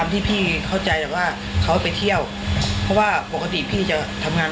ได้ยินเสียงผู้หญิง